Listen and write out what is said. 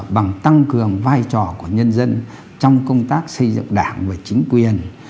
bằng tăng cường vai trò của nhân dân trong công tác xây dựng đảng và chính quyền